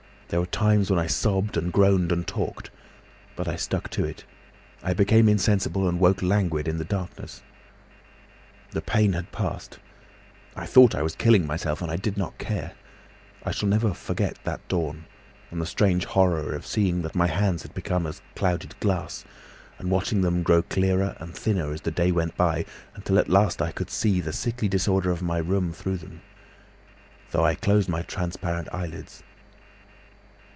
There were times when I sobbed and groaned and talked. But I stuck to it.... I became insensible and woke languid in the darkness. "The pain had passed. I thought I was killing myself and I did not care. I shall never forget that dawn, and the strange horror of seeing that my hands had become as clouded glass, and watching them grow clearer and thinner as the day went by, until at last I could see the sickly disorder of my room through them, though I closed my transparent eyelids.